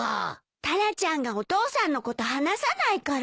タラちゃんがお父さんのこと離さないから。